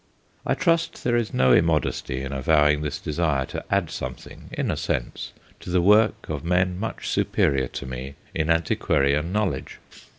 I trust there is no immodesty in avowing this desire to add something, in a sense, to the work of men much superior to me in antiquarian knowledge.